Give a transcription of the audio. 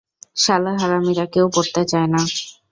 শালা হারামিরা, কেউ পরতে চায় না!